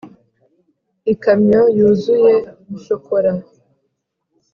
ikamyo yuzuye shokora.